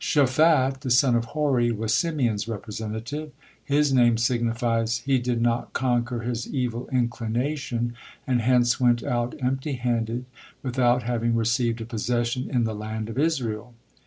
Shaphat, the son of Hori, was Simeon's representative. His name signifies, "He did not conquer his evil inclination, and hence went out empty handed, without having received a possession in the land of Israel."